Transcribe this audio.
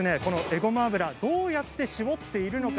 ごま油どうやって搾っているのか。